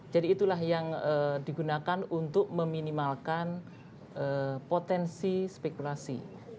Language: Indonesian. jadi itulah yang digunakan untuk meminimalkan potensi spekulasi